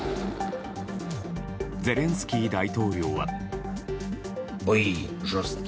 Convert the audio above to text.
ゼレンスキー大統領は。